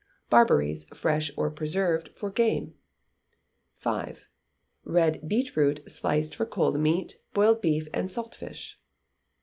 Barberries, fresh or preserved, for game. v. Red beetroot sliced for cold meat, boiled beef, and salt fish.